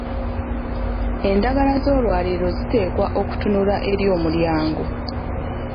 Endagala z'olwaliiro ziteekwa kutunula eri omulyango.